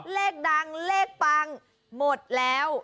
เลขดังเลขปังหมดแล้ว